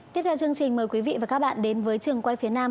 tiếp theo chương trình mời quý vị và các bạn đến với trường quay phía nam